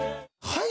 はい。